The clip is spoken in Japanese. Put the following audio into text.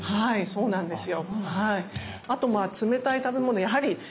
そうなんですよ。